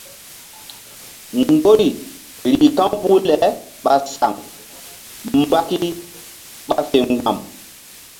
Mgbori rih ka̧w puh le ɓa saŋ mbaki ɓa fe mgba̧m.